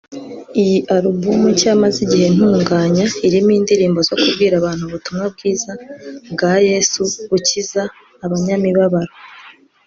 Iyi Album nshya maze igihe ntunganya irimo indirimbo zo kubwira abantu ubutumwa bwiza bwa Yesu ukiza abanyamibabaro